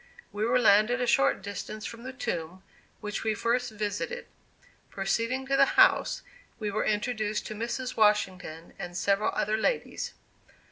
We were landed a short distance from the tomb, which we first visited. Proceeding to the house, we were introduced to Mrs. Washington, and several other ladies.